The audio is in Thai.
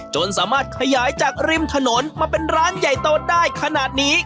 จนสามารถขยายจากริมถนนมาเป็นร้านใหญ่โตได้ขนาดนี้